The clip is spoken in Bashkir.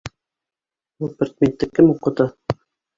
Был предметты кем уҡыта?